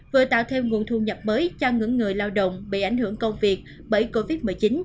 vừa tạo thêm nguồn thu nhập mới cho những người lao động bị ảnh hưởng công việc bởi covid một mươi chín